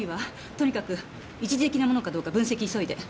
とにかく一時的なものかどうか分析急いで。